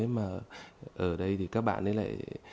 mà ở đây thì các bạn ấy lại